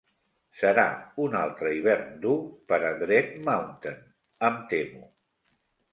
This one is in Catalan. Serà un altre hivern dur per a Dread Mountain, em temo.